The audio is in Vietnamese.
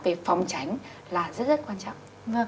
về phòng tránh là rất rất quan trọng